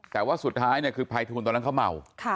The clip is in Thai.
แต่ว่าสุดท้ายคือภัยทูลตอนนั้นเขาเมา